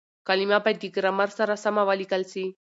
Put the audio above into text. کليمه بايد د ګرامر سره سمه وليکل سي.